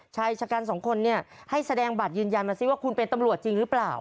ชายชะกันสองคนเนี่ยให้แสดงบัตรยืนยันมาสิว่าคุณเป็นตำรวจจริงหรือเปล่า